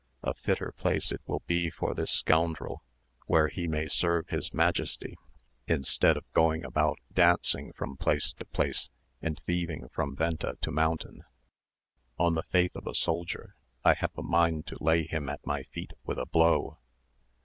A fitter place it will be for this scoundrel, where he may serve his Majesty, instead of going about dancing from place to place, and thieving from venta to mountain. On the faith of a soldier, I have a mind to lay him at my feet with a blow."